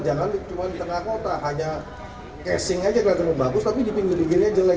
jangan cuma di tengah kota hanya casing aja kelihatannya bagus tapi di pinggir pinggirnya jelek